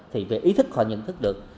thì về ý thức họ nhận thức được